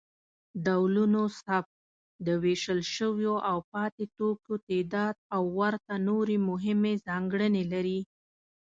ډولونوثبت، د ویشل شویو او پاتې توکو تعداد او ورته نورې مهمې ځانګړنې لري.